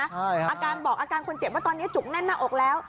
อาการบอกอาการคนเจ็บว่าตอนนี้จุกแน่นหน้าอกแล้ว